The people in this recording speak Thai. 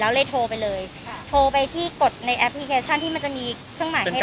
แล้วเลยโทรไปเลยค่ะโทรไปที่กดในแอปพลิเคชันที่มันจะมีเครื่องหมายให้